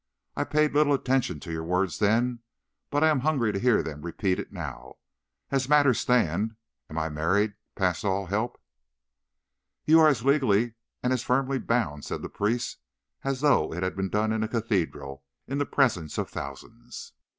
I paid little attention to your words then, but I am hungry to hear them repeated now. As matters stand, am I married past all help?" "You are as legally and as firmly bound," said the priest, "as though it had been done in a cathedral, in the presence of thousands.